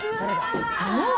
そう！